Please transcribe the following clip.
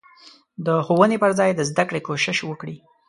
د ښوونې په ځای د زدکړې کوشش وکړي.